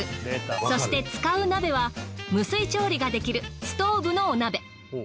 そして使う鍋は無水調理ができるストウブのお鍋。